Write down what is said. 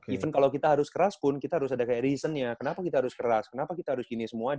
even kalau kita harus keras pun kita harus ada kayak reasonnya kenapa kita harus keras kenapa kita harus gini semua